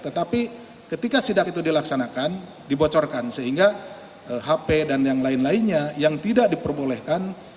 tetapi ketika sidak itu dilaksanakan dibocorkan sehingga hp dan yang lain lainnya yang tidak diperbolehkan